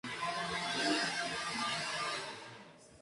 Esa misma noche, Isabel llama a casa de los Simpsons, dónde atiende Homero.